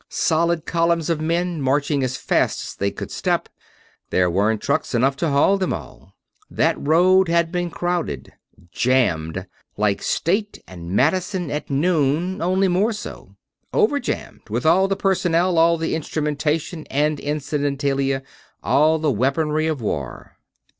Solid columns of men, marching as fast as they could step there weren't trucks enough to haul them all. That road had been crowded jammed. Like State and Madison at noon, only more so. Over jammed with all the personnel, all the instrumentation and incidentalia, all the weaponry, of war.